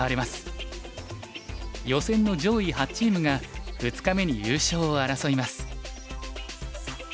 予選の上位８チームが２日目に優勝を争います。